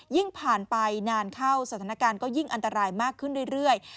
ยิ่งผ่านไปนานเข้าสถานการณ์ก็ยิ่งอันตรายมากขึ้นเรื่อย